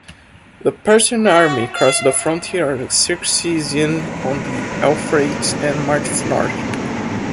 The Persian army crossed the frontier at Circesium on the Euphrates and marched north.